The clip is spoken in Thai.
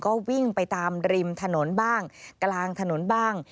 ก็วิ่งไปตามริมถนนบ้างกลางถนนบ้าง